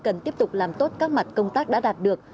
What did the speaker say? cần tiếp tục làm tốt các mặt công tác đã đạt được